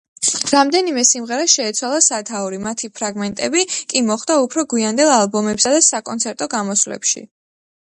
რამდენიმე სიმღერას შეეცვალა სათაური, მათი ფრაგმენტები კი მოხვდა უფრო გვიანდელ ალბომებსა და საკონცერტო გამოსვლებში.